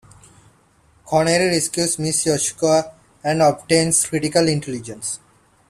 Connery rescues Miss Yashuko and obtains critical intelligence.